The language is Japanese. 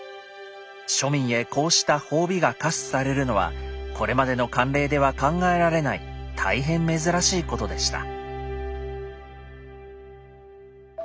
庶民へこうした褒美が下賜されるのはこれまでの慣例では考えられない大変珍しいことでした。